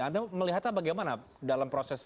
anda melihatnya bagaimana dalam proses